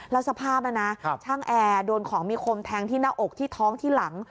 แล้วสภาพนะนะช่างแอร์โดนของมีคมแทงที่หน้าอกที่ท้องที่หลัง